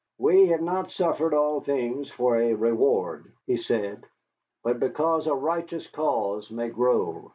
"We have not suffered all things for a reward," he said, "but because a righteous cause may grow.